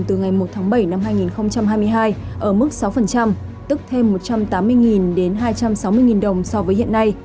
từ ngày một tháng bảy năm hai nghìn hai mươi hai ở mức sáu tức thêm một trăm tám mươi đến hai trăm sáu mươi đồng so với hiện nay